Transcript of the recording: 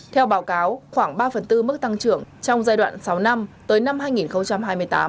theo báo cáo khoảng ba phần tư mức tăng trưởng trong giai đoạn sáu năm tới năm hai nghìn hai mươi tám